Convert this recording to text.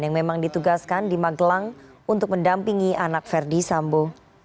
yang memang ditugaskan di magelang untuk mendampingi anak verdi sambo